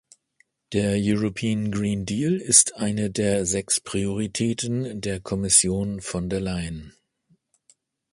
Der European Green Deal ist eine der sechs Prioritäten der Kommission von der Leyen.